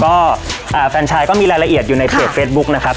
ก็แฟนชายก็มีรายละเอียดอยู่ในเพจเฟซบุ๊คนะครับ